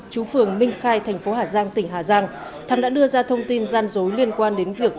chú phường minh khai thành phố hà giang tỉnh hà giang thằng đã đưa ra thông tin gian dối liên quan đến việc